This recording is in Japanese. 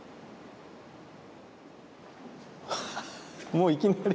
もういきなり。